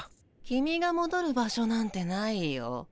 キミがもどる場所なんてないよ。